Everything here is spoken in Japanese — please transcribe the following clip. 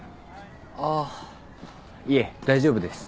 あっいえ大丈夫です。